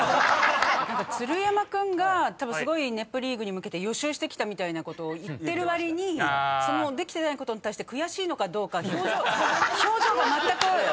何か鶴山君がすごい『ネプリーグ』に向けて予習してきたみたいなことを言ってるわりにできてないことに対して悔しいのかどうか。